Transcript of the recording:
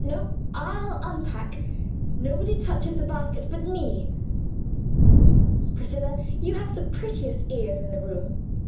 No! I'll unpack; nobody touches the baskets but me. Priscilla, you have the prettiest ears in the room.